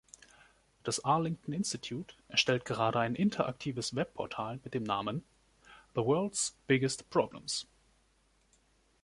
Das Arlington Institute erstellt gerade ein interaktives Webportal mit dem Namen „The World's Biggest Problems“.